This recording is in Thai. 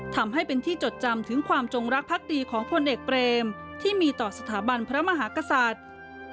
ทำให้เป็นที่จดจำถึงความจงรักพักดีของพลเอกเปรมที่มีต่อสถาบันพระมหากษัตริย์